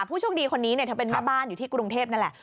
ผู้โชคดีคนนี้เธอเป็นแม่บ้านอยู่ที่กรุงเทพนั่นแหละ